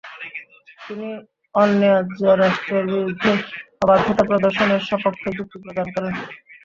তিনি অন্যায্য রাষ্ট্রের বিরুদ্ধে অবাধ্যতা প্রদর্শনের স্বপক্ষে যুক্তি প্রদান করেন।